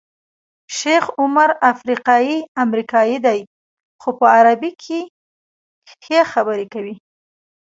شیخ عمر افریقایی امریکایی دی خو په عربي کې ښې خبرې کوي.